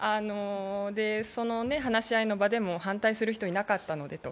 話し合いの場でも反対する人はいなかったのでと。